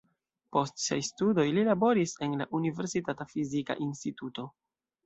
Post siaj studoj li laboris en la universitata fizika instituto.